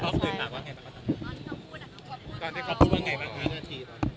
ตอนที่เขาพูดว่าไงบ้าง